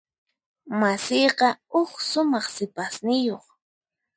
Masiyqa huk sumaq sipasniyuq.